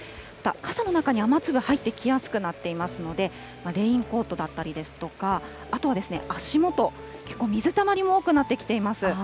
傘の中に雨粒入ってきやすくなっていますので、レインコートだったりですとか、あとは足元、結構水たまりも多くなってきています。